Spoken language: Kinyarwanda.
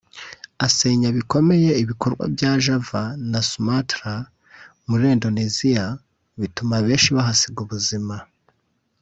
asenya bikomeye ibirwa bya Java na Sumatra muri Indonesia bituma benshi bahasiga ubuzima